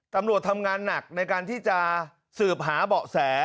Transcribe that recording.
ตำรวจทำงานหนักในการที่จะสืบหาเบาะแส